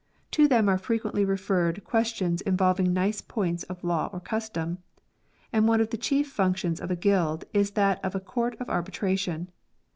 To them are frequently referred questions involving nice points of law or custom, and one of the chief functions of a guild is that of a court of arbitration.